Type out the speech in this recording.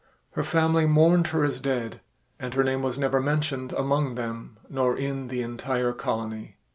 Her family mourned her as dead and her name was never mentioned among them nor in the entire colony.